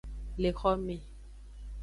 Le xome.